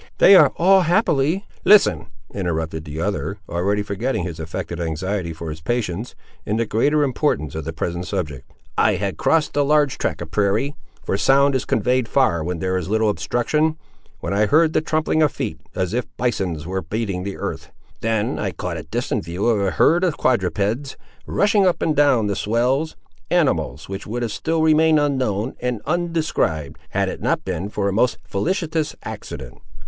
"They are all happily—" "Listen," interrupted the other, already forgetting his affected anxiety for his patients, in the greater importance of the present subject. "I had crossed a large tract of prairie—for sound is conveyed far where there is little obstruction—when I heard the trampling of feet, as if bisons were beating the earth. Then I caught a distant view of a herd of quadrupeds, rushing up and down the swells—animals, which would have still remained unknown and undescribed, had it not been for a most felicitous accident!